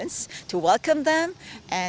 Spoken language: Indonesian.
untuk mengucapkan selamat datang